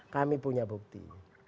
kami punya bukti